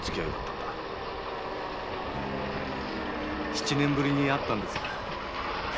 七年ぶりに会ったんです。